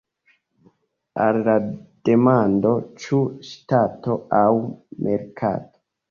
Al la demando "Ĉu ŝtato aŭ merkato?